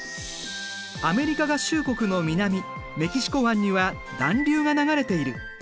アメリカ合衆国の南メキシコ湾には暖流が流れている。